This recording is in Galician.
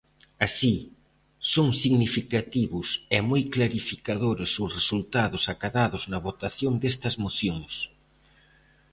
Así, son significativos e moi clarificadores os resultados acadados na votación destas mocións.